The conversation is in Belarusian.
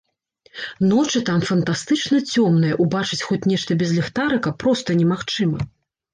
Ночы там фантастычна цёмныя, убачыць хоць нешта без ліхтарыка проста немагчыма.